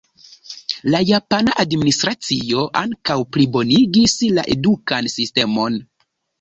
La japana administracio ankaŭ plibonigis la edukan sistemon.